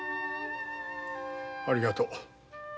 ありがとう。